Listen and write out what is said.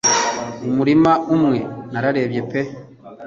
Umurima umwe narebye pe